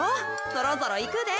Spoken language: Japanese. そろそろいくで。